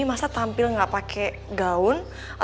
masa tampil gak pake gaun